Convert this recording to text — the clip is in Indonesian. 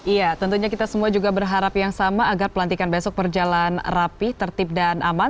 iya tentunya kita semua juga berharap yang sama agar pelantikan besok berjalan rapi tertib dan aman